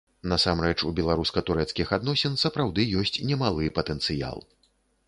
Насамрэч, у беларуска-турэцкіх адносін сапраўды ёсць немалы патэнцыял.